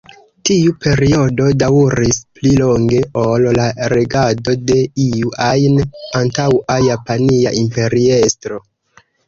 Tiu periodo daŭris pli longe ol la regado de iu ajn antaŭa japania imperiestro.